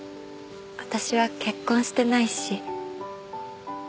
私は結婚してないし。